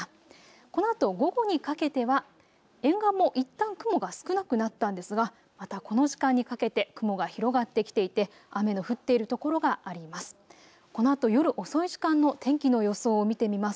このあと午後にかけては沿岸もいったん雲が少なくなったんですが、またこの時間にかけて雲が広がってきていて雨の降っている所があります。